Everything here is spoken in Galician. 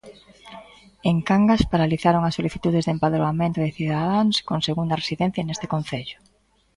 En Cangas paralizaron as solicitudes de empadroamento de cidadáns con segunda residencia neste concello.